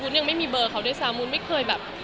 ยังไม่มีเบอร์เขาด้วยซ้ำวุ้นไม่เคยแบบ